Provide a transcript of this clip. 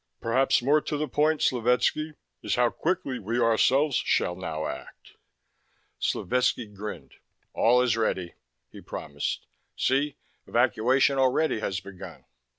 "Perhaps more to the point, Slovetski, is how quickly we ourselves shall now act." Slovetski grinned. "All is ready," he promised. "See, evacuation already has begun!"